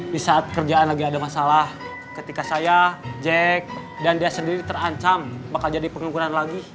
di saat kerjaan lagi ada masalah ketika saya jack dan dia sendiri terancam bakal jadi pengukuran lagi